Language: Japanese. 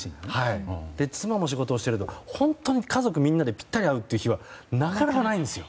妻も仕事をしてると本当に家族みんなでぴったり合うという日はなかなかないんですよ。